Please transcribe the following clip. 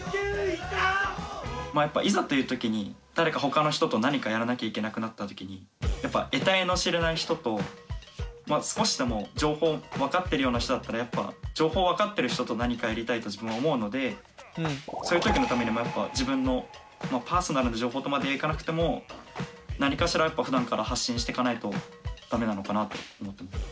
やっぱいざという時に誰か他の人と何かやらなきゃいけなくなった時にやっぱえたいの知れない人と少しでも情報分かってるような人だったらやっぱ情報分かってる人と何かやりたいと自分は思うのでそういう時のためにもやっぱ自分のパーソナルな情報とまではいかなくても何かしらやっぱふだんから発信していかないと駄目なのかなと思ってます。